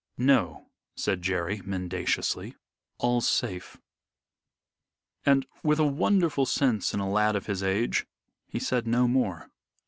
"No," said Jerry, mendaciously, "all's safe." And, with a wonderful sense in a lad of his age, he said no more.